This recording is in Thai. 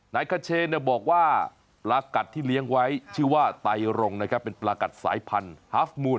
นายเขชเช่นบอกว่าปรากฏที่เลี้ยงไว้ชื่อว่าไตลงก์เป็นปรากฏสายพันฮาฟมูล